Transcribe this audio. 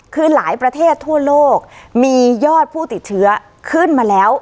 คือหลายประเทศทั่วโลกมียอดผู้ติดเชื้อขึ้นมาแล้ว